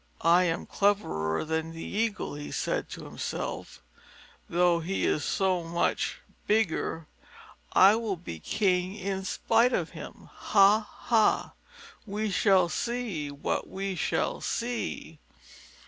"I am cleverer than the Eagle," he said to himself, "though he is so much bigger. I will be king in spite of him. Ha ha! We shall see what we shall see!"